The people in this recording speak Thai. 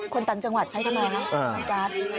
คนต่างจังหวัดใช้ทำไมครับน้ำมันการ์ด